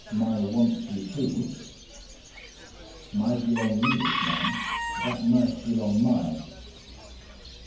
"My wantchee he." "My belong Englishman." "That knife belong my."